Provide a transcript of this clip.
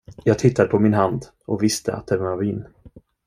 Jag tittade på min hand och visste att den var min.